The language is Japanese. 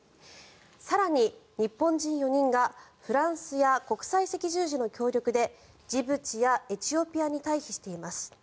更に、日本人４人がフランスや国際赤十字の協力でジブチやエチオピアに退避しています。